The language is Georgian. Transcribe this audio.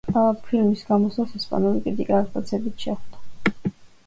ფილმის გამოსვლას ესპანური კრიტიკა აღტაცებით შეხვდა.